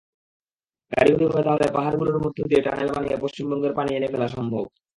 কারিগরিভাবে তাহলে পাহাড়গুলোর মধ্যে দিয়ে টানেল বানিয়ে পশ্চিমবঙ্গে পানি এনে ফেলা সম্ভব।